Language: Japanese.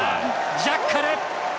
ジャッカル！